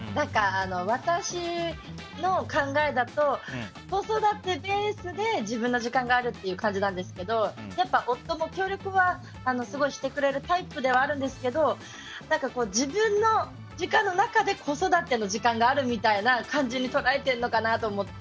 私の考えだと子育てベースで自分の時間があるっていう感じなんですけど夫も協力はすごいしてくれるタイプではあるんですけど自分の時間の中で子育ての時間があるみたいな感じに捉えてるのかなと思って。